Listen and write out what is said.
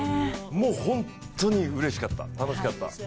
本当にうれしかった、楽しかった。